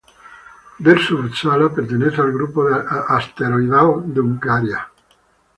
Dersu-Uzala pertenece al grupo asteroidal de Hungaria.